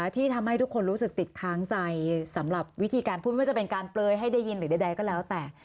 ที่ทำให้ทุกคนรู้สึกติดค้างใจสำหรับวิธีการพูดไม่ว่าจะเป็นการเปลยให้ได้ยินหรือใดก็แล้วแต่